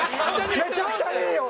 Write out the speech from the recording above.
めちゃくちゃいいよ！